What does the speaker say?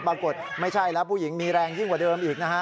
ปรากฏไม่ใช่แล้วผู้หญิงมีแรงยิ่งกว่าเดิมอีกนะฮะ